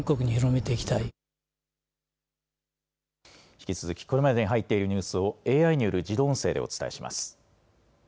引き続き、これまでに入っているニュースをＡＩによる自動音声でお伝えします。